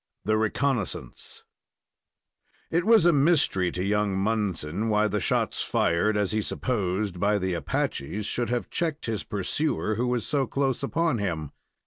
THE RECONNOISSANCE It was a mystery to young Munson why the shots fired, as he supposed, by the Apaches, should have checked his pursuer, who was so close upon him.